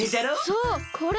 そうこれ！